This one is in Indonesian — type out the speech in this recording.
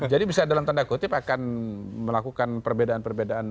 jadi bisa dalam tanda kutip akan melakukan perbedaan perbedaan